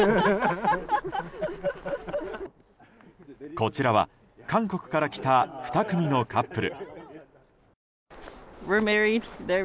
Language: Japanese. こちらは韓国から来た２組のカップル。